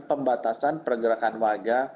pembatasan pergerakan waga